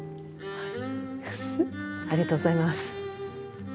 はい。